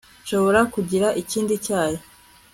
Nshobora kugira ikindi cyayi